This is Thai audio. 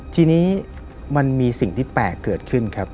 ทีนี้มันมีสิ่งที่แปลกเกิดขึ้นครับ